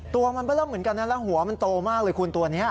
ตัวมันก็เริ่มเหมือนกันนะแล้วหัวมันโตมากเลยคุณตัวนี้